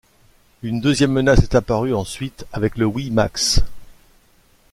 Une deuxième menace est apparue ensuite avec le WiMax.